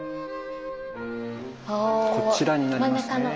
こちらになりますね。